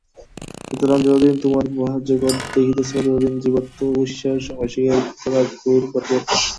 সুতরাং যতদিন তোমরা বাহ্যজগৎ দেখিতেছ, ততদিন জীবাত্মা ও ঈশ্বর অস্বীকার করা ঘোর বাতুলতা।